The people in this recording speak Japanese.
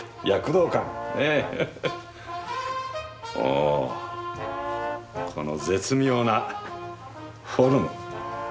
おこの絶妙なフォルム。